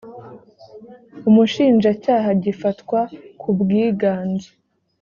umushinjacyaha gifatwa ku bwiganze